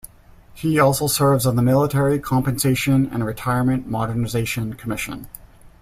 He also serves on the Military Compensation and Retirement Modernization Commission.